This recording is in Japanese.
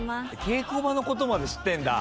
稽古場のことまで知ってんだ。